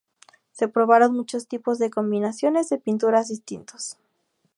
Se probaron muchos tipos de combinaciones de pintura distintos.